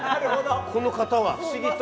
この方は不思議と。